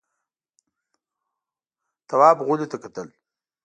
تواب غولي ته کتل….